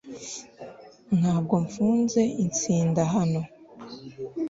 ntabwo mfunze insida hano